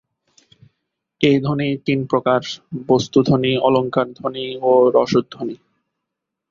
এ ধ্বনি তিন প্রকার বস্ত্তধ্বনি, অলঙ্কারধ্বনি ও রসধ্বনি।